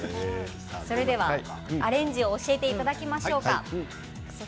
アレンジを教えていただきましょう。